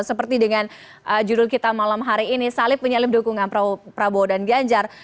seperti dengan judul kita malam hari ini salib menyalip dukungan prabowo dan ganjar